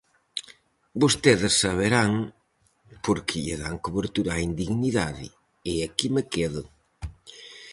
Vostedes saberán por que lle dan cobertura á indignidade, e aquí me quedo.